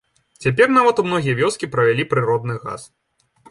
Цяпер нават у многія вёскі правялі прыродны газ.